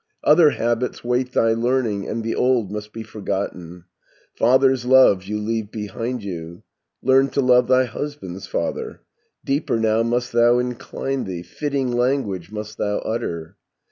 "Other habits wait thy learning, And the old must be forgotten. Father's love you leave behind you; Learn to love thy husband's father; Deeper now must thou incline thee, Fitting language must thou utter.